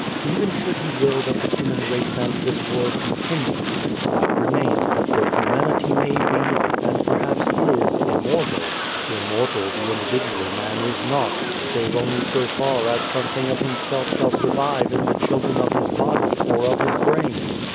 " Even should He will that the human race and this world continue, the fact remains that though humanity may be, and perhaps is, immortal immortal the individual man is not, save only so far as something of himself shall survive in the children of his body or of his brain.